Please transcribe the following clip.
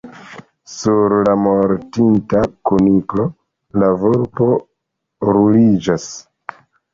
Sur la mortinta kuniklo, la vulpo ruliĝas.